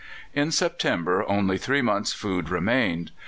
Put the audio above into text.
] In September only three months' food remained.